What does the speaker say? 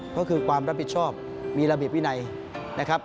ก็คือความรับผิดชอบมีระบบโหวิดรหาย